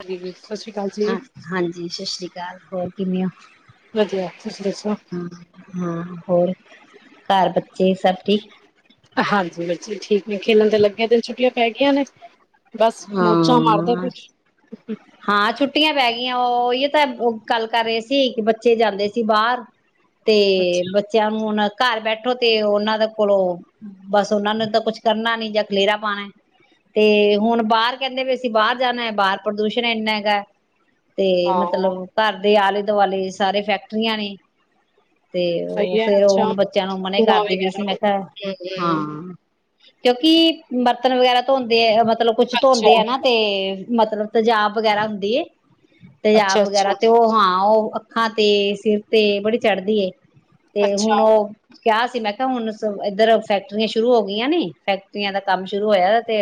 ਹਾਂਜੀ, ਸਤਿ ਸ਼੍ਰੀ ਅਕਾਲ ਜੀ। ਅ ਹਾਂਜੀ ਸਤਿ ਸ੍ਰੀ ਅਕਾਲ ਹੋਰ ਕਿੰਨੀਆਂ ਵਧੀਆ, ਤੁਸੀਂ ਦੱਸੋ? ਹਾਂ ਹੋਰ ਕਾਰਬਤੀ ਹਾਂਜੀ ਠੀਕ ਨੇ ਖੇਲਣ ਤੇ ਲੱਗੀਆਂ ਦਿਨ ਛੁੱਟੀਆਂ ਪੈ ਗਈ ਨੇ ਬਸ ਮੌਜਾਂ ਮਾਰਦੇ ਪਏ। ਹਾਂ ਹਾਂ ਛੁੱਟੀਆਂ ਪੈ ਗਈ ਉਹਹੀ ਤਾਂ ਗੱਲ ਕਰ ਰਹੇ ਸੀ ਕਿ ਬੱਚੇ ਜਾਂਦੇ ਸੀ ਬਾਹਰ ਤੇ ਅੱਛਾ, ਬੱਚਿਆਂ ਨੂੰ ਉਹਨਾਂ ਘਰ ਬੈਠੋ ਤੇ ਉਹਨਾਂ ਦੇ ਕੋਲੋਂ ਬਸ ਉਹਨਾਂ ਨੂੰ ਤਾਂ ਕੁਛ ਕਰਨਾ ਨੀ ਜਾਂ ਖਲੇਰਾ ਪਾਉਣਾ ਤੇ ਹੁਣ ਬਾਹਰ ਕਹਿੰਦੇ ਵੀ ਅਸੀਂ ਬਾਹਰ ਜਾਣਾ ਹੈ ਬਾਹਰ ਪ੍ਰਦੂਸ਼ਣ ਇੰਨਾ ਹੈਗਾ ਤੇ ਹਾਂ, ਮਤਲਬ ਘਰ ਦੇ ਆਲੇ ਆ ਦੁਆਲੇ ਸਾਰੇ ਫੈਕਟਰੀਆਂ ਨੇ ਤੇ ਉਹ ਸਹੀ ਹੈ ਫੇਰ ਅੱਛਾ। ਹੁਣ ਬੱਚਿਆਂ ਨੂੰ ਮਨ ਧੂੰਆਂ ਕਰਦੀ ਵੀ ਵਗੈਰਾ ਸੀ ਮੈਂ ਕਿਹਾ ਹਾਂ ਹੂੰ-ਹੂੰ, ਕਿਉਂਕਿ ਬਰਤਨ ਵਗੈਰਾ ਧੋਂਦੇ ਆ ਮਤਲਬ ਅੱਛਾ-ਅੱਛਾ-ਅੱਛਾ, ਧੋਂਦੇ ਆ ਨਾ ਤੇ ਮਤਲਬ ਤਜ਼ਾਬ ਵਗੈਰਾ ਹੁੰਦੀ ਏ ਪੰਜਾਬ ਅੱਛਾ ਅੱਛਾ ਵਗੈਰਾ ਤੇ ਉਹ ਹਾਂ ਉਹ ਅੱਖਾਂ ਤੇ ਸਿਰ ਤੇ ਬੜੀ ਚੜ੍ਹਦੀ ਏ ਅੱਛਾ ਤੇ ਹੁਣ ਅੱਛਾ ਉਹ ਕਿਹਾ ਸੀ ਮੈਂ ਕਿਹਾ ਹੁਣ ਇਧਰ ਫੈਕਟਰੀਆਂ ਸ਼ੁਰੂ ਹੋ ਗਈਆਂ ਨੇ ਫੈਕਟਰੀਆਂ ਦਾ ਕੰਮ ਸ਼ੁਰੂ ਹੋਇਆ ਤੇ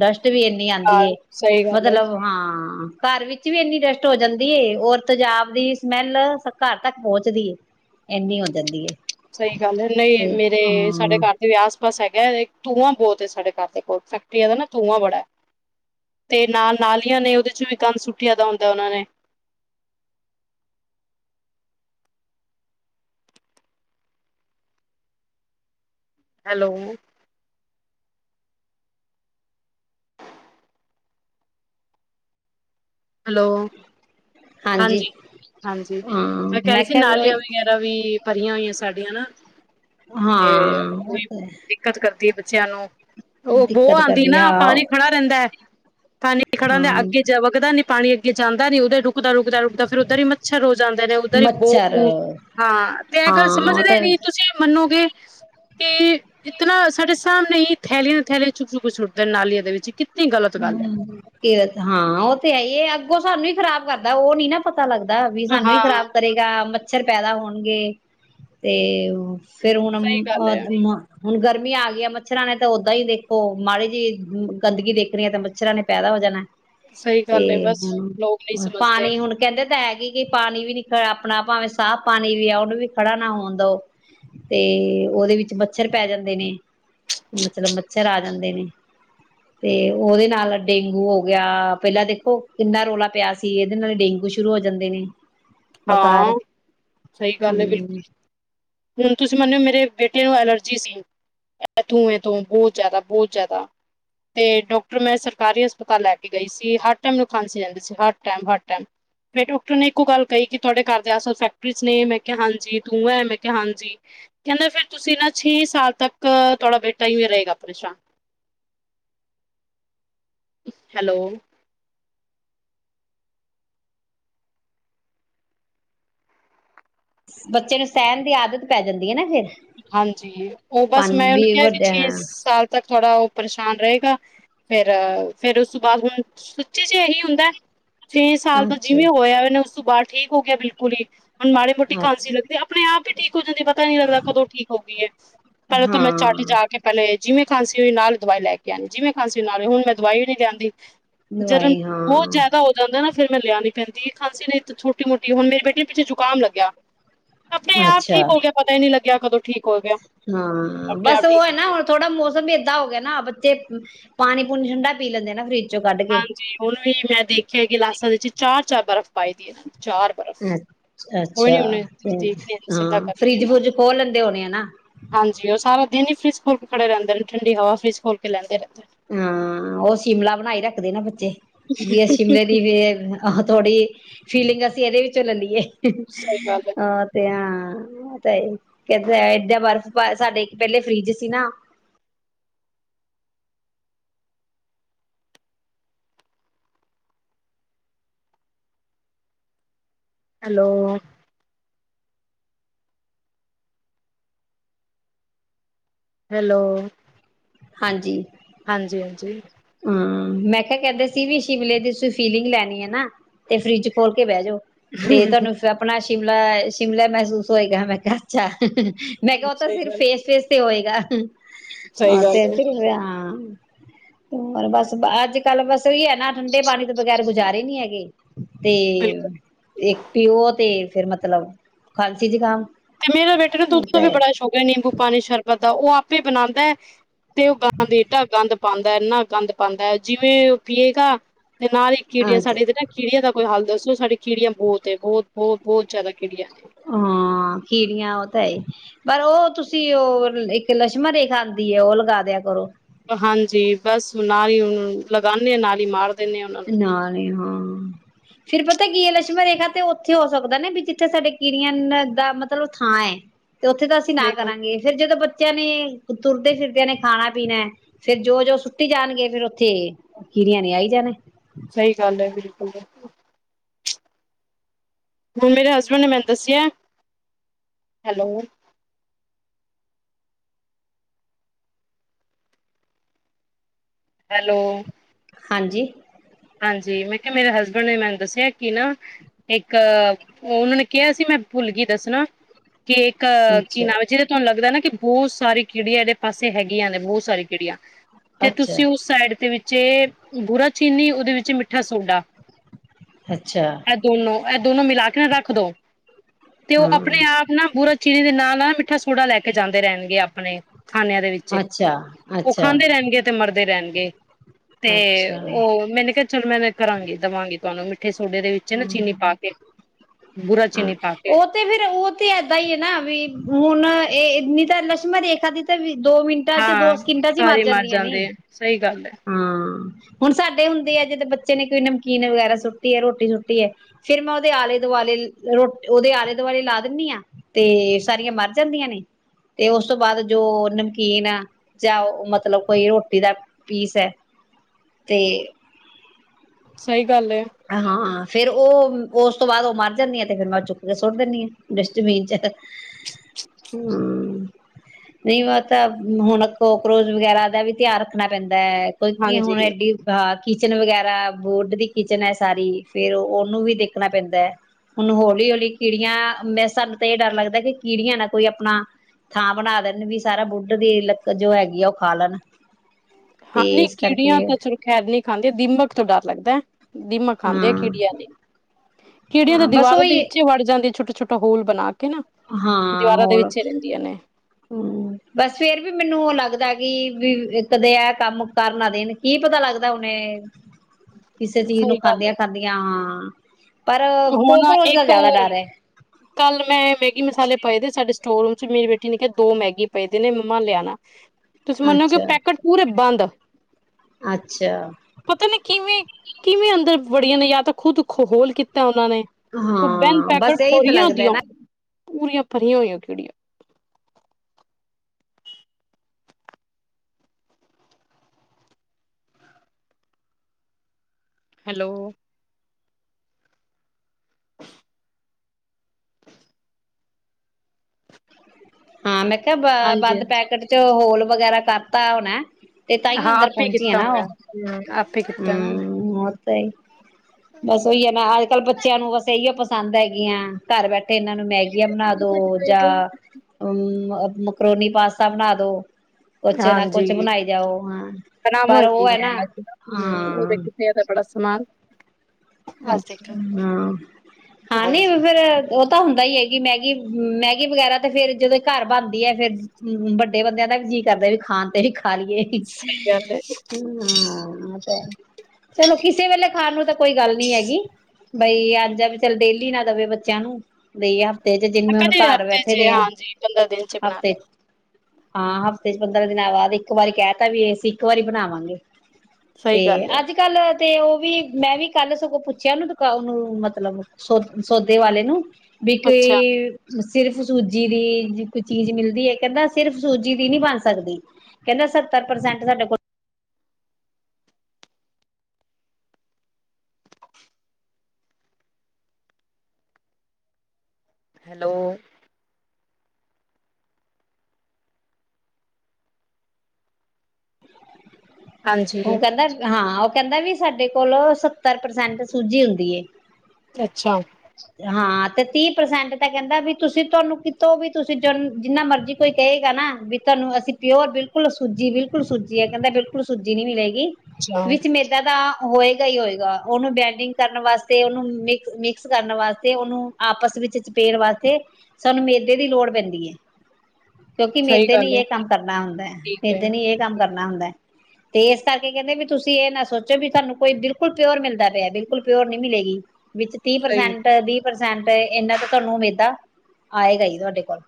ਦਸ ਵੀ ਇੰਨੀ ਆਉਂਦੀ ਏ ਹਾਂ ਸਹੀ ਗੱਲ ਹੈ। ਮਤਲਬ ਹਾਂ ਘਰ ਵਿੱਚ ਵੀ ਇੰਨੀ ਡਸਟ ਹੋ ਜਾਂਦੀ ਔਰਤ ਜਾਾਬ ਦੀ ਸਮੈਲ ਘਰ ਤੱਕ ਪਹੁੰਚਦੀ ਇਨੀ ਹੋ ਜਾਂਦੀ ਸਹੀ ਗੱਲ ਹੈ ਨਹੀਂ ਤੇ ਮੇਰੇ ਸਾਡੇ ਹਾਂ ਘਰ ਦੇ ਵਿਆਹ ਬਸ ਹੈਗਾ ਧੂੰਆਂ ਬਹੁਤ ਸਾਡੇ ਘਰ ਦੇ ਕੋਲ ਫੈਕਟਰੀਆਂ ਦਾ ਨਾ ਧੂੰਆਂ ਬੜਾ ਹੈ ਤੇ ਨਾਲ ਨਾਲੀਆਂ ਨੇ ਉਹਦੇ ਚ ਵੀ ਕੰਧ ਸੁੱਟਿਆ ਦਾ ਹੁੰਦਾ ਉਹਨਾਂ ਨੇ ਹੈਲੋ ਹੈਲੋ ਹਾਂਜੀ ਹਾਂਜੀ ਹਾਂ ਮੈਂ ਕਹਿ ਰਹੀ ਸੀ ਕਿਹਾ ਵੀ ਉਹੀ ਨਾਲੀਆਂ ਵਗੈਰਾ ਵੀ ਭਰੀਆਂ ਹੋਈਆਂ ਸਾਡੀਆਂ ਨਾ ਤੇ ਹਾਂ ਉਹ ਤਾਂ ਹੈ। ਦਿੱਕਤ ਕਰਦੀ ਹੈ ਬੱਚਿਆਂ ਨੂੰ ਉਹ ਬੋ ਦਿੱਕਤ ਆਉਂਦੀ ਕਰਦੀ ਨਾ ਹਾਂ ਪਾਣੀ ਖੜਾ ਰਹਿੰਦਾ ਹੈ ਪਾਣੀ ਖੜਾ ਹੁੰਦਾ ਹਾਂ ਅੱਗੇ ਜਾ ਵਗਦਾ ਨਹੀਂ ਪਾਣੀ ਅੱਗੇ ਜਾਂਦਾ ਨੀ ਉਰੇ ਰੁਕ ਦਾ ਰੁਕਦਾ ਰੁਕਦਾ ਫੇਰ ਉੱਧਰ ਹੀ ਮੱਛਰ ਹੋ ਜਾਂਦੇ ਨੇ ਉੱਧਰ ਈ ਬੋ ਬੂ ਮੱਛਰ ਹਾਂ ਤੇ ਇਹ ਗੱਲ ਹਾਂ ਉਹ ਸਮਝਦੇ ਤੇ ਨੀ ਤੁਸੀਂ ਮੰਨੋ ਤੇ ਇਤਨਾ ਸਾਡੇ ਸਿਸਟਮ ਨਹੀਂ ਥੈਲੀਆਂ ਦੀ ਥੈਲੀਆਂ ਚੁੱਕ ਚੁੱਕ ਸੁੱਟਦੇ ਨੇ ਨਾਲੀਆਂ ਦੇ ਵਿੱਚ ਗ਼ਲਤ ਗੱਲ ਹੈ। ਕੇ ਹਾਂ ਉਹ ਤੇ ਹੈ ਈ ਇਹ ਅੱਗੋਂ ਸਾਨੂੰ ਹੀ ਖ਼ਰਾਬ ਕਰਦਾ ਉਹ ਨੀ ਨਾ ਪ ਪਤਾ ਲੱਗਦਾ ਵੀ ਸਾਨੂੰ ਹੀ ਹਾਂ ਖ਼ਰਾਬ ਕਰੇਗਾ ਮੱਛਰ ਪੈਦਾ ਹੋਣਗੇ ਤੇ ਫੇਰ ਹੁਣ ਸਹੀ ਗੱਲ ਹੈ, ਉਹ ਹੁਣ ਗਰਮੀ ਆ ਗਈ ਮੱਛਰਾਂ ਨੇ ਤਾਂ ਓਦਾਂ ਹੀ ਦੇਖੋ ਮਾੜੇ ਜਿਹੀ ਗੰਦਗੀ ਦੇਖ ਣੀ ਹੈ ਤਾਂ ਮੱਛਰਾਂ ਨੇ ਪੈਦਾ ਹੋ ਜਾਣਾ ਸਹੀ ਗੱਲ ਹੈ ਤੇ ਬਸ ਲੋਕ ਨਹੀਂ ਹ ਸਮਝਦੇ ਪਾਣੀ ਹੁਣ ਕਹਿੰਦੇ ਤਾਂ ਹੈ ਪਾਣੀ ਵੀ ਨੀ ਖੜਾ ਆਪਣਾ ਭਾਵੇਂ ਸਾਫ਼ ਪਾਣੀ ਵੀ ਆ ਉਹਨੂੰ ਵੀ ਖੜਾ ਨਾ ਹੋਣ ਦਿਓ ਤੇ ਉਹਦੇ ਵਿੱਚ ਮੱਛਰ ਪੈ ਜਾਂਦੇ ਨੇ ਮਤਲਬ ਮੱਛਰ ਆ ਜਾਂਦੇ ਨੇ ਤੇ ਉਹਦੇ ਨਾਲ ਡੇਂਗੂ ਹੋ ਗਿਆ ਪਹਿਲਾਂ ਦੇਖੋ ਕਿੰਨਾ ਰੌਲਾ ਪਿਆ ਸੀ ਇਹਦੇ ਨਾਲ ਡੇਂਗੂ ਸ਼ੁਰੂ ਹੋ ਜਾਂਦੇ ਨੇ ਬੁਖਾਰ ਹਾਂ ਸਹੀ ਗੱਲ ਹੈ ਹਮ ਬਿਲਕੁਲ ਹੁਣ ਤੁਸੀਂ ਮੰਨਿਓ ਮੇਰੇ ਬੇਟੇ ਨੂੰ ਐਲਰਜੀ ਸੀ ਧੂੰਏ ਤੋਂ ਬਹੁਤ ਜ਼ਿਆਦਾ ਬਹੁਤ ਜ਼ਿਆਦਾ ਤੇ ਡਾਕਟਰ ਮੈਂ ਸਰਕਾਰੀ ਹਸਪਤਾਲ ਲੈ ਕੇ ਗਈ ਸੀ ਹਰ ਟਾਈਮ ਮੈਨੂੰ ਖਾਂਸੀ ਆਂਦੀ ਸੀ ਹਰ ਟਾਈਮ ਹਰ ਟਾਈਮ ਫੇਰ ਡਾਕਟਰ ਨੇ ਇੱਕੋ ਗੱਲ ਕਹੀ ਕਿ ਤੁਹਾਡੇ ਘਰ ਦੇ ਆਸ ਪਾਸ ਫੈਕਟਰੀਜ਼ ਨੇ ਮੈਂ ਕਿਹਾ ਹਾਂਜੀ ਧੂੰਆ ਐ ਮੈਂ ਕ ਕਿਹਾ ਹਾਂਜੀ ਕਹਿੰਦਾ ਫਿਰ ਤੁਸੀਂ ਨਾ ਛੇ ਸਾਲ ਤੱਕ ਤੁਹਾਡਾ ਬੇਟਾ ਇਵੇਂ ਰਹੇਗਾ ਪਰੇਸ਼ਾਨ ਹੈਲੋ ਬੱਚੇ ਨੂੰ ਸਹਿਣ ਦੀ ਆਦਤ ਪੈ ਜਾਂਦੀ ਹੈ ਨਾ ਫਿਰ ਹਾਂਜੀ ਉਹ ਬਸ ਪੰਜ ਮੈਂ ਉਹਨੂੰ ਵੀ ਕਿਹਾ ਕਿ ਵੱਡੇ ਛੇ ਹਾਂ ਸਾਲ ਤੱਕ ਥੋੜਾ ਉਹ ਪਰੇਸ਼ਾਨ ਰਹੇਗਾ ਫੇਰ ਫੇਰ ਉਸ ਤੋਂ ਬਾਅਦ ਹੁਣ ਚ ਇਹੀ ਹੁੰਦਾ ਛੇ ਸਾਲ ਤੋਂ ਅੱਛਾ ਜਿਵੇਂ ਹੋਇਆ ਉਹਨੇ ਸੁਭਾਅ ਠੀਕ ਹੋ ਗਿਆ ਬਿਲਕੁਲ ਹੀ ਹੁਣ ਮਾੜੀ ਮੋਟੀ ਖਾਂਸੀ ਅੱਛਾ ਲਗਦੀ ਆਪਣੇ ਆਪ ਹੀ ਠੀਕ ਹੋ ਜਾਂਦੀ ਪਤਾ ਨੀ ਲੱਗਦਾ ਕਦੋਂ ਹੋ ਗਈ ਹੈ ਪਹਿਲਾਂ ਤਾਂ ਮੈਂ ਝੱਟ ਹਾਂ ਜਾ ਕੇ ਪਹਿਲੇ ਜਿਵੇਂ ਖਾਂਸੀ ਹੋ ਨਾਲ ਹੀ ਦਵਾਈ ਲੈ ਕੇ ਆਣੀ ਜਿਵੇਂ ਖਾਂਸੀ ਹੋਈ ਨਾਲ ਹੀ ਹੁਣ ਮੈਂ ਦਵਾਈ ਵੀ ਨਹੀਂ ਲਿਆਂਂਦੀ। ਜਦਨ ਦਵਾਈ ਬਹੁਤ ਹਾਂ ਜਿਆਦਾ ਹੋ ਜਾਂਦਾ ਨਾ ਫਿਰ ਮੈਂ ਲਿਆ ਆਨੀ। ਪੈਂਦੀ ਖਾਂਸੀ ਨੇ ਛੋਟੀ ਮੋਟੀ ਹੁਣ ਮੇਰੀ ਬੇਟੀ ਪਿੱਛੇ ਜੁਕਾਮ ਲੱਗਿਆ ਆਪਣੇ ਆਪ ਅੱਛਾ ਠੀਕ ਹੋ ਗਿਆ ਪਤਾ ਨੀ ਲੱਗਾ। ਜਾ ਕਦੋ ਹਾਂ ਬਸ ਉਹ ਹੈ ਹੋ ਨਾ ਗਿਆ। ਹੁਣ ਥੋੜਾ ਮੌਸਮ ਵੀ ਏਦਾਂ ਹੋ ਗਿਆ ਨਾ ਬੱਚੇ ਪਾਣੀ ਪੂਣੀ ਠੰਢਾ ਪੀ ਲੈਂਦੇ ਐ ਨਾ ਫਰਿਜ ਚੋਂ ਕੱਢ ਕੇ ਹਾਂਜੀ ਹੁਣ ਵੀ ਮੈਂ ਦੇਖਿਆ ਕਿ ਨਾਸਾਂ ਦੇ ਵਿੱਚ ਚਾਰ ਚਾਰ ਬਰਫ਼ ਪਾਈ ਦੀ ਚਾਰ ਬਰਫ਼। ਅੱ ਕੋਈ ਅੱਛਾ ਨੀ ਉਹਨੇ ਤੇ ਦੇਖਦੇ ਆ ਹਾਂ ਸਿੱਧਾ ਕਰਦੇ ਫਰਿਜ ਆ। ਫਰੁਜ ਖੋਲ ਲੈਂਦੇ ਹੋਣੇ ਆ ਨਾ। ਹਾਂਜੀ, ਉਹ ਸਾਰਾ ਦਿਨ ਫਰੀ ਖੋਲ ਖੜੇ ਰਹਿੰਦੇ ਨੇ ਠੰਡੀ ਹਵਾ ਫਰੀਜ ਖੋਲ ਕੇ ਲੈਂਦੇ। ਰਹਿੰਦੇ ਨੇ। ਹਾਂ ਉਹ ਸ਼ਿਮਲਾ ਬਣਾਈ ਰੱਖਦੇ ਨਾ ਬਚੇ ਵੀ ਇਹ ਸ਼ਿਮਲੇ ਦੀ ਫੇਰ ਆਹ ਥੋੜੀ ਫੀਲਿੰਗ ਅਸੀਂ ਇਹਦੇ ਵਿੱਚੋਂ ਲੀਏ ਸਹੀ ਗੱਲ ਹੈ। ਅਹ ਤੇ ਆ ਤੇ ਕਹਿੰ ਏਦਾਂ ਬਰਫ਼ ਪਾ ਸਾਡੇ ਇੱਕ ਪਹਿਲੇ ਫਰਿਜ ਸੀ ਨਾ ਹੈਲੋ ਹੈਲੋ ਹਾਂਜੀ ਹਾਂਜੀ ਹਾਂ ਮੈਂ ਕਿਹਾ ਕਹਿੰਦੇ ਸੀ ਵੀ ਸ਼ਿਮਲੇ ਦੀ ਤੁਸੀ ਫੀਲਿੰਗ ਲੈਣੀ ਆ ਨਾ। ਤੇ ਫਰਿਜ ਖੋਲ ਕੇ ਬਹਿ ਜੋ ਤੇ ਤੁਹਾਨੂੰ ਆਪਣਾ ਸ਼ਿਮਲਾ ਸ਼ਿਮਲਾ ਮਹਿਸੂਸ ਹੋਏਗਾ ਮੈ ਕਿਹਾ ਅੱਛਾ। ਮੈਂ ਕਿਹਾ ਉਹ ਤਾਂ ਸਹੀ ਸਿਰਫ ਗੱਲ, ਫੇਸ ਫੇਸ ਤੇ ਹੋਏਗਾ। ਹੂੰ ਸਹੀ ਉਹ ਗੱਲ ਤੇ ਹੈ, ਹਾਂ [inaudible] ਹੋਰ ਬਸ ਬਾ ਅੱਜ ਕੱਲ ਬਸ ਸਈ ਹੈ ਨਾ ਠੰਡੇ ਪਾਣੀ ਤੋਂ ਬਗੈਰ ਗੁਜ਼ਾਰੇ ਨੀ ਹੈਗੇ ਤੇ ਬਿਲਕੁਲ। ਇੱਕ ਪਿਓ ਤੇ ਫੇਰ ਮਤਲਬ ਖਾਂਸੀ ਜੁਕਾਮ ਤੇ ਮੇਰਾ ਬੇਟਾ ਨੇ ਤੂੰ ਤੋਂ ਵੀ ਬੜਾ ਸ਼ੌਕ ਹੈ ਨਿੰਬੂ ਪਾਣੀ ਸ਼ਰਬਤ ਤਾਂ ਉਹ ਆਪੇ ਬਣਾਉਂਦਾ ਹੈ ਤੇ ਉਹ ਗੰਦ ਏਦਾਂ ਗੰਦ ਪਾਉਂਦਾ ਇਨਾ ਗੰਦ ਪਾਉਂਦਾ ਜਿਵੇਂ ਉਹ ਪੀਏਗਾ ਤੇ ਨਾਲ ਹੀ ਕੀੜੀਆਂ ਹਾਂਜੀ ਸਾਡੇ ਨਾ ਕੀੜੀਆਂ ਦਾ ਕੋਈ ਹੱਲ ਦੱਸੋ ਸਾਡੀ ਕੀੜੀਆਂ ਬਹੁਤ ਬਹੁਤ ਬਹੁਤ ਬਹੁਤ ਜ਼ਿਆਦਾ ਕੀੜੀਆਂ ਨੇ। ਹਾਂ ਕੀੜੀਆਂ ਉਹ ਤਾਂ ਏ। ਪਰ ਉਹ ਤੁਸੀਂ ਉਹ ਇੱਕ ਲਕਸ਼ਮਣ ਰੇਖਾ ਆਉਂਦੀ ਹੈ ਉਹ ਲਗਾ ਦਿਆ ਕਰੋ। ਹਾਂਜੀ ਬਸ ਨਾਲਾਰੀ ਲਗਾਉਾਨਦੇ ਹਾਂ ਨਾਲਾਰੀ ਮਾਰ ਦਿੰਦੇ ਹਾਂ ਉਹਨਾਂ ਨੂੰ। ਨਾਲ ਹੀ ਹਾਂ ਫਿਰ ਪਤਾ ਕੀ ਲਛਮਣ ਰੇਖਾ ਤੇ ਉੱਥੇ ਹੋ ਸਕਦਾ ਨਾ ਵੀ ਜਿੱਥੇ ਸਾਡੇ ਕੀੜੀਆਂ ਦਾ ਮਤਲਬ ਥਾਂ ਹੈ। ਤੇ ਉੱਥੇ ਤਾਂ ਅਸੀਂ ਨਾ ਸਹੀ ਗੱਲ। ਕਰਾਂਗੇ ਫੇਰ ਜਦੋਂ ਬੱਚਿਆਂ ਬੱਚਿਆਂ ਨੇ ਤੁਰਦੇ ਫਿਰਦਿਆਂ ਨੇ ਖਾਣਾ ਪੀਣਾ ਫੇਿਰ ਜੋ ਜੋ ਸੁੱਟੀ ਜਾਣਗੇ ਫਿਰ ਉੱਥੇ ਕੀੜੀਆਂ ਨੇ ਆਈ ਜਾਣੇ। ਸਹੀ ਗੱਲ ਹੈ ਬਿਲਕੁਲ ਮੇਰੇ ਹਸਬੈਂਡ ਨੇ ਮੈਨੂੰ ਦੱਸਿਆ ਹੈਲੋ ਹੈਲੋ ਹਾਂਜੀ ਹਾਂਜੀ ਮੈਂ ਕਿਹਾ ਮੇਰੇ ਹਸਬੈਂਡ ਨੇ ਮੈਨੂੰ ਦੱਸਿਆ ਕਿ ਨਾ ਇੱਕ ਉਹਨਾਂ ਨੇ ਕਿਹਾ ਸੀ ਮੈਂ ਭੁੱਲ ਗਈ ਦੱਸਣਾ ਕੇਕ ਕੀ ਅੱਛਾ, ਨਾਮ ਹੈ ਜਿਹੜੇ ਤੁਹਾਨੂੰ ਲੱਗਦਾ ਨਾ ਬਹੁਤ ਸਾਰੀ ਕੀੜੀਆਂ ਇਹਦੇ ਪਾਸੇ ਹੈਗੀਆਂ ਨੇ ਬਹੁਤ ਸਾਰੀ ਕੀੜੀਆਂ ਤੇ ਅੱਛਾ, ਤੁਸੀਂ ਉਸ ਸਾਈਡ ਦੇ ਵਿੱਚ ਜੇ ਬੁਰਾ ਚੀਨੀ ਉਹਦੇ ਵਿੱਚ ਮਿੱਠਾ ਸੋਡਾ ਅੱਛਾ ਇਹ ਦੋਨੋ ਇਹ ਦੋਨੋਂ ਮਿਲਾ ਕੇ ਨਾ ਰੱਖ ਦੋ ਤੇ ਉਹ ਹਾਂ। ਆਪਣੇ ਆਪ ਨਾ ਬੁਰਾ ਚੀਨੀ ਦੇ ਨਾਲ ਨਾਲ ਮਿੱਠਾ ਸੋਡਾ ਲੈ ਕੇ ਜਾਂਦੇ ਰਹਿਣਗੇ ਆਪਣੇ ਖਾਨਿਆਂ ਦੇ ਵਿੱਚ ਅੱਛਾ, ਉਹ ਅੱਛਾ, ਖਾਂਦੇ ਰਹਿਣਗੇ ਤੇ ਮਰਦੇ ਰਹਿਣਗੇ। ਗੇ ਤੇ ਅੱਛਾ। ਉਹ ਮੈਨੂੰ ਮੈਂ ਕਰਾਂਗੀ ਦਵਾਂਗੀ ਤੁਹਾਨੂੰ ਮ ਬੁਰਾ ਹਾਂ ਚੀਨੀ ਪਾ ਕੇ ਉਹ ਤੇ ਫੇਿਰ ਉਹ ਤੇ ਏਦਾਂ ਹੀ ਹੈ ਨਾ ਵੀ ਹੁਣ ਇਹ ਇੰਨੀ ਤਾਂ ਲਕਸ਼ਮ ਰੇਖਾ ਦੇ ਵਿੱਚ ਦੋ ਮਿੰਟਾਂ ਚ ਦੋ ਹਾਂ ਸਕਿੰਟਾਂ ਚ ਹੀ ਮਰ ਸਾਰੇ ਜਾਂਦੀਆਂ ਨੇ। ਜਾਂਦੇ ਆ ਸਹੀ ਗੱਲ ਹੈ ਹਮ ਹੁਣ ਸਾਡੇ ਹੁੰਦੇ ਆ ਜਦੋਂ ਬੱਚੇ ਨੇ ਕੋਈ ਨਮਕੀਨ ਵਗੈਰਾ ਸੁੱਟੀ ਹੈ ਰੋਟੀ ਰੋਟੀ ਸੁੱਟੀ ਹੈ ਫੇਿਰ ਮੈਂ ਉਹਦੇ ਆਲੇ ਦੁਆਲੇ ਰੋ ਉਹਦੇ ਆਲੇ ਦੁਆਲੇ ਲਾ ਦਿੰਦੀ ਆਾਂ ਤੇ ਸਾਰੀਆਂ ਮਰ ਜਾਂਦੀਆਂ ਨੇ ਤੇ ਉਸ ਤੋਂ ਬਾਅਦ ਜੋ ਨਮਕੀਨ ਜਾਂ ਮਤਲਬ ਕੋਈ ਰੋਟੀ ਦਾ ਪੀਸ ਹੈ ਤੇ ਸਹੀ ਗੱਲ ਹੈ ਹਾਂ ਫੇਰ ਉਹ ਉਸ ਤੋਂ ਬਾਅਦ ਉਹ ਮਰ ਜਾਂਦੀ ਆ ਤੇ ਫੇਿਰ ਮੈਂ ਉਹ ਚੁੱਕ ਕੇ ਸੁੱਟ ਦਿੰਦੀ ਹਾਂ ਡਸਟਬੀਨ ਚ। ਹਮ ਨਹੀਂ ਮੈਂ ਤਾਂ ਹੁਣ ਕੋਕਰੋਚ ਵਗੈਰਾ ਦਾ ਵੀ ਧਿਆਨ ਰੱਖਣਾ ਪੈਂਦਾ। ਕਿਉਂਕਿ ਹਾਂਜੀ ਹੁਣ ਐਡੀਤ ਕਿਚਨ ਵਗੈਰਾ ਬੋਰਡ ਦੀ ਕਿਚਨ ਚਨ ਸਾਰੀ ਫੇਿਰ ਉਹਨੂੰ ਵੀ ਦੇਖਣਾ ਪੈਂਦਾ ਹੈ ਹੁਣ ਹੌਲੀ ਹੌਲੀ ਕੀੜੀਆਂ ਮੈਂ ਸਾਨੂੰ ਤਾਂ ਇਹ ਡਰ ਲੱਗਦਾ ਕਿ ਕੀੜੀਆਂ ਨਾ ਕੋਈ ਆਪਣਾ ਥਾਂ ਬਣਾ ਦੇਣ ਵੀ ਸਾਰਾ ਬੁੱਢ ਦੀ ਲ ਜੋ ਹੈਗੀ ਆ ਉਹ ਖਾ ਲੈਣ ਹਾਂ ਤੇ ਨਹੀਂ ਇਸ ਕੀੜੀਆਂ ਕਰਕੇ ਤਾਂ ਚੁਰਖੈਰ ਨ ਖਾਂਦੀ ਦੀਮਕ ਤੋਂ ਡਰ ਲੱਗਦਾ। ਦੀਮਾ ਖਾਂਦੇ ਆ ਹਾਂ ਕੀੜੀਆਂ ਨੇ ਕੀੜੀਆਂ ਤੇ ਹਾਂ ਬਸ ਦੀਵਾਰਾਂ ਦੇ ਉਹੀ ਵਿੱਚੇ ਵੜ ਜਾਂਦੀ ਛੋਟੇ। ਛੋਟਾ ਗੋਲ ਬਣਾ। ਨਾ ਦੀਵਾਰਾਂ ਦੇ ਵਿੱਚੇ ਰਹਿੰਦੀਆਂ ਨੇ। ਹੂੰ ਬਸ ਫੇਰ ਵੀ ਮੈਨੂੰ ਲੱਗਦਾ ਕਿ ਵੀ ਕਦੇ ਐ ਕੰਮ ਕਰਨਾ ਦੇਣ ਕੀ ਪਤਾ ਲੱਗਦਾ ਹੁਨੇ। ਕਿਸੇ ਚੀਜ਼ ਸਹੀ ਨੂੰ ਗੱਲ ਹੈ ਖਾਂਦਿਆਂ ਖਾਂਦਿਆ ਕਰਦੀਆਂ ਆ। ਹੁਣ ਇੱਕ ਡਰ ਹੈ। ਕੱਲ ਮੈਂ ਮੈਗੀ ਮਸਾਲੇ ਪਾਏ ਤੇ ਸਾਡੇ ਸਟੋਰੂਮ ਚ ਮੇਰੀ ਬੇਟੀ ਨੇ ਕਿਹਾ ਦੋ ਮੈਗੀ ਪਏ ਤੇ ਨੇ ਮੰਮਾ ਲਿਆਉਣਾ। ਤੁਸੀਂ ਮੰਨੋ ਕਿ ਉਹ ਅੱਛਾ ਪੈਕਟ ਪੂਰੇ ਬੰਦ। ਅੱਛਾ ਪਤਾ ਨਾ ਕਿਵੇਂ। ਕਿਵੇਂ ਅੰਦਰ ਬੜੀਆਂ ਨੇ ਜਾਂ ਤਾਂ ਖੁਦ ਖੋਲ ਕੇ। ਉਹਨਾਂ ਨੇ ਬਿੰਨ ਹਾਂ ਪੈਕਟ ਬਸ ਇਹੀ ਤਾਂ ਖੋਰੀਆਂ ਲੱਗਦਾ ਦੀਆਂ- ਨਾ ਪੂਰੀਆਂ ਭਰੀਆਂ ਹੋਈਆਂ ਕਿਹੜੀਆਂ। ਹੈਲੋ। ਅ। ਫੁਰ ਹਾਂ ਮੈਂ। ਇਹ ਹਾਂਜੀ ਬੰਦ ਹਾਂਜੀ ਪੈਕਟ ਚ ਹੋਲ। ਵਗੈਰਾ ਕਰਤਾ ਉਹਣਾਂ। ਹਾਂ ਆਪੇ ਕੀਤਾ ਉਹਨਾਂ ਹੂੰ ਆਪ। ਆਪੀ ਕੀਤਾ ਉਹਨਾਂ ਨੇ। ਉਦਾਂ। ਬਸ ਉਹੀ ਹੈ ਮੈਂ ਅੱਜ ਕੱਲ ਬੱਚਿਆਂ ਨੂੰ ਬਸ ਇਹੀ। ਪਸੰਦ ਹੈਗੀਆਂ। ਘਰ ਬੈਠੇ ਇਹਨਾਂ ਨੂੰ ਮੈਗੀਆਂ ਬਣਾ ਦੋ ਜਾਂ ਅਮ। ਮਕਰੋਨੀ ਪਾਸਤਾ ਬਣਾ ਦੋ‌। ਕੁਛ ਨਾ ਹਾਂਜੀ ਕੁਛ ਬਣਾਈ ਜਾਓ ਹਾਂ ਪਰ ਉਹ ਹੈ ਨਾ। ਹੂੰ ਉਹਦੇ ਹਾਂ ਕਿੱਥੇ ਤਾਂ। ਬਸ ਸਮਾਨ। ਅੱਜ ਦੇਖਾਂਗੇ ਅੱਛਾ ਹਾਂ ਹਾਂਜੀ ਨਹੀਂ ਫੇਿਰ ਉਹ ਤਾਂ ਹੁੰਦਾ ਹੀ ਕੀ ਮੈਗੀ। ਮੈਗੀ ਵਗੈਰਾ ਤੇ ਫੇਰ ਜਦੋਂ ਘਰ ਬਣਦੀਏ ਹੂੰ ਫੇਰ ਵੱਡੇ ਬੰਦਿਆਂ ਦਾ ਵੀ ਜੀਅ ਕਰਦਾ ਵੀ ਖਾਣ ਤੇ ਵੀ ਖਾਈਏ ਸਹੀ ਗੱਲ ਹੈ ਹਾਂ ਚਲੋ ਕਿਸੇ ਵੇਲੇ ਖਾਣ ਨੂੰ ਤਾਂ ਕੋਈ ਗੱਲ ਨਹੀਂ ਹੈਗੀ। ਬਈ ਅੱਜ ਆ ਵੀ ਚੱਲ ਡੇਲੀ ਨਾ ਦਵੇ ਬੱਚਿਆਂ ਨੂੰ ਦੇਈ ਆ ਕਦੇ ਹਫਤੇ ਚ ਹਾਂਜੀ ਪੰਦਰਾਂ ਦਿਨ ਚ ਬਣਾ ਲ ਹਫ਼ਤੇ ਹਾਂ ਹਫਤੇ ਚ ਪੰਦਰਾਂ ਦਿਨਾਂ ਬਾਦ ਇੱਕ ਵਾਰੀ ਕਹਿ ਤਾ ਵੀ ਅਸੀਂ ਇੱਕ ਵਾਰੀ ਬਣਾਵਾਂਗੇ। ਤੇ ਸਹੀ ਗੱਲ ਹੈ ਅੱਜ ਕੱਲ ਤੇ ਔ ਵੀ ਮੈਂ ਵੀ ਕੱਲ ਸਗੋਂ ਪੁੱਛਿਆਨੂੰ ਦ ਕ ਔਨੂੰ ਮਤਲਬ ਸੋ ਸੌਦੇ ਵਾਲੇ ਨੂੰ ਭੀ ਅੱਛਾ ਕੋਈ ਸਿਰਫ ਸੂਜੀ ਦੀ ਕੋਈ ਚੀਜ਼ ਮਿਲਦੀ ਹੈ? ਕਹਿੰਦਾ ਸਿਰਫ ਸੂਜੀ ਦੀ ਨਹੀਂ ਬਣ ਸਕਦੀ, ਕਹਿੰਦਾ ਸੱਤਰ ਪ੍ਰਸੈਂਟ ਸਾਡੇ ਕੋਲ ਹੈਲੋ। ਹਾਂਜੀ ਔ ਕਹਿੰਦਾ ਹਾਂ। ਔ ਕਹਿੰਦਾ ਵੀ ਸਾਡੇ ਕੋਲ ਸੱਤਰ ਪ੍ਰਸੈਂਟ ਸੂਜੀ ਹੁੰਦੀ ਏ। ਅੱਛਾ। ਹਾਂ ਤੇ ਤੀਹ ਪ੍ਰਸੈਂਟ ਤਾਂ ਕਹਿੰਦਾ ਵੀ ਤੁਸੀਂ ਤੁਹਾਨੂੰ ਕਿਤੋਂ ਵੀ ਤੁਸੀਂ ਜਿਨ ਜਿੰਨਾ ਮਰਜੀ ਕੋਈ ਕਹੇਗਾ ਨਾ ਵੀ ਤੁਹਾਨੂੰ ਅਸੀਂ ਪਿਓਰ ਬਿਲਕੁਲ ਸੂਜੀ ਬਿਲਕੁਲ ਸੂਜੀ ਆ ਕਹਿੰਦਾ ਬਿਲਕੁਲ ਸੂਜੀ ਜਿੰਨੀ ਵੀ ਲੈਈ ਅੱਛਾ ਵਿੱਚ ਮੇਦ ਦਾ ਹੋਏਗਾ ਹੀ ਹੋਏਗਾ ਉਹਨੂੰ ਬੈਂਡਿੰਗ ਕਰਨ ਵਾਸਤੇ, ਓਨੂੰ ਮਿਕ ਮਿਕਸ ਕਰਨ ਵਾਸਤੇ, ਓਨੂੰ ਆਪਸ ਵਿੱਚ ਚਪੇਣ ਵਾਸਤੇ ਸਾਨੂੰ ਮੇਦੇ ਦੀ ਲੋੜ ਪੈਂਦੀ ਹੈ। ਕਿਉਂਕਿ ਸਹੀ ਮੇਦੇ ਨ ਗੱਲ ਹੈ ਇਹ ਕੰਮ ਕਰਨਾ ਹੁੰਦਾ ਠੀਕ ਮੇਦੇ ਹੈ ਨ ਇਹ ਕੰਮ ਕਰਨਾ ਹੁੰਦਾ। ਤੇ ਇਸ ਕਰਕੇ ਕਹਿੰਦੇ ਵੀ ਤੁਸੀਂ ਇਹ ਨਾ ਸੋਚੋ ਵੀ ਤੁਹਾਨੂੰ ਕੋਈ ਬਿਲਕੁਲ ਪਿਔਰ ਮਿਲਦਾ ਪਿਆ ਬਿਲਕੁਲ ਪਿਔਰ ਨਹੀਂ ਮਿਲੇਗੀ। ਵਿੱਚ ਤੀਹ ਸਹੀ ਪ੍ਰਸੈਂਟ ਏ ਵੀਹ ਪ੍ਰਸੈਂਟ ਤੇ ਇਹਨਾ ਕੁ ਤੇ ਤੁਹਾਨੂੰ ਮੇਦਾ ਆਏਗਾ ਹੀ ਤੁਹਾਡੇ ਕੋਲ।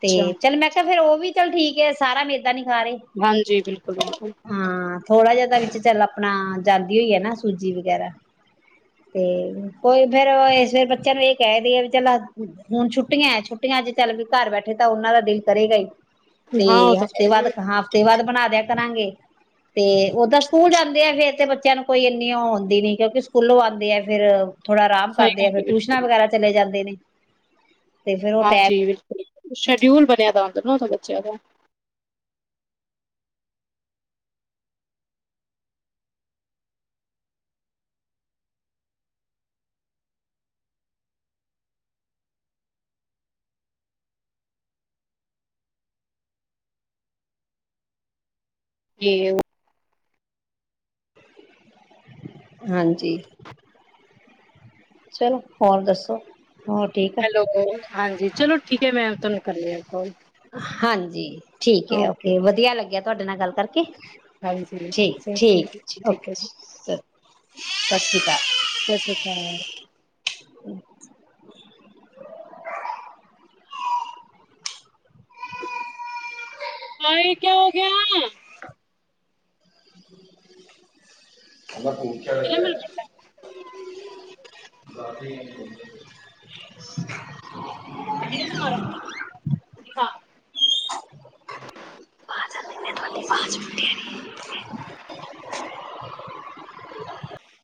ਤੇ ਚੱਲ, ਮੈਂ ਕਿਹਾ ਫੇਰ ਔ ਔ ਵੀ ਚੱਲ ਠੀਕ ਹੈ ਸਾਰਾ ਮੇ ਹਾਂਜੀ ਬਿਲਕੁਲ ਬਿਲਕੁਲ। ਹਾਂ, ਥੋੜਾ ਜਿਹਾ ਤਾਂ ਵਿੱਚ ਚੱਲ ਆਪਣਾ ਜਾਂਦੀ ਹੋਈ ਆ ਨਾ ਸੂਜੀ ਵਗੈਰਾ, ਤੇ ਕੋਈ ਫੇਰ ਇਸ ਵਿਰ ਬੱਚਿਆਂ ਨੂੰ ਇਹ ਕਹਿ ਦੇ ਆ ਵੀ ਚੱਲ ਹੁਣ ਛੁੱਟੀਆਂ ਏ ਛੁੱਟੀਆਂ ਚ ਚੱਲ ਵੀ ਘਰ ਬੈਠੇ ਤਾਂ ਉਹਨਾਂ ਦਾ ਦਿਲ ਕਰੇਗਾ ਹੀ। ਤੇ ਹਾਂ ਉਹ ਤਾਂ ਹੈ ਹਫ਼ਤੇ ਬਾਦ ਹਫ਼ਤੇ ਬਾਦ ਬਣਾ ਤੇ ਕਰਾਂਗੇ। ਤੇ ਔਦਾਂ ਸਕੂਲ ਜਾਂਦੇ ਆ ਫੇਰ ਤੇ ਬੱਚਿਆਂ ਨੂੰ ਕੋਈ ਇੰਨੀ ਔ ਆਂਦੀ ਨੀ ਕਿਉਂਕਿ ਸਕੂਲੋਂ ਆਂਦੇ ਆ ਫਿਰ ਥੋੜਾ ਆਰਾਮ ਸਹੀ ਕਰਦੇ ਗੱਲ ਆ ਫਿਰ ਟਿਊਸ਼ਨਾਂ ਬਿਲਕੁਲ ਵਗੈਰਾ ਚਲੇ ਜਾਂਦੇ ਨੇ। ਤੇ ਫੇਰ ਉਹ ਟੈਮ ਹਾਂਜੀ ਬਿਲਕੁਲ ਸ਼ਡਿਊਲ ਦੇ ਪੱਗ ਪੀਬਣਿਆ। [unintelligible] ਬੱਚਿਆਂ ਦਾ। ਵੀ ਹਾਂਜੀ। ਚਲੋ ਹੋਰ ਦੱਸੋ। ਹੋਰ ਠੀਕ ਆ? ਹੈਲੋ, ਹਾਂਜੀ ਚਲੋ ਠੀਕ ਹੈ। ਮੈਂ ਤੁਹਾਨੂੰ ਕਰਨੀ ਹਾਂ ਕਾਲ। ਜੀ। ਠੀਕ ਹੈ, ਔ ਕੇ, ਵਧੀਆ ਲੱਗਿਆ ਤੁਹਾਡੇ ਨਾਲ ਗੱਲ ਕਰਕੇ, ਹਾਂਜੀ ਠੀਕ, ਸਭ ਠੀਕ ਜੀ ਔ ਕੇ। ਠੀਕ ਹੈ ਜੀ ਸਤਿ ਸ਼੍ਰੀ ਅਕਾਲ ਸਤਿ ਸ੍ਰੀ ਅਕਾਲ [unintelligible] ਹਾਏ ਕਿਆ ਹੋ ਗਿਆ। ਗਿਆ [unintelligible] [inaudible] ਕਿ ਹਾਂ ਆਟੀ ਪਾਂਚ ਮਿੰਟ [unintelligible]